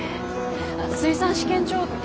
水産試験場って。